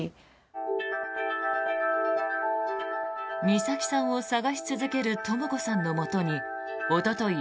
美咲さんを捜し続けるとも子さんのもとにおととい